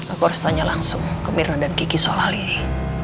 aku harus tanya langsung ke mirna dan kiki soal ini